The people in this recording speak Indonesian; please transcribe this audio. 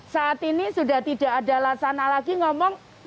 saat ini sudah tidak ada laksana lagi ngomong